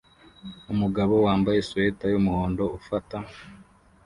Umugabo wambaye swater yumuhondo ufata